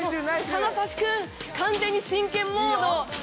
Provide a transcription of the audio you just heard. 金指君、完全に真剣モード。